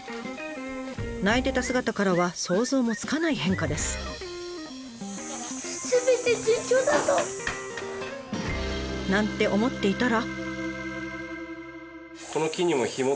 泣いてた姿からは想像もつかない変化です。なんて思っていたら。